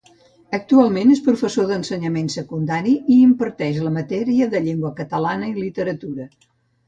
Actualment és professor d'ensenyament secundari i imparteix la matèria de llengua catalana i literatura.